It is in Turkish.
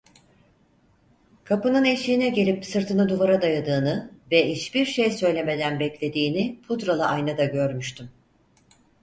Kapının eşiğine gelip sırtını duvara dayadığını ve hiçbir şey söylemeden beklediğini pudralı aynada görmüştüm.